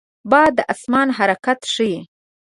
باد د آسمان حرکت ښيي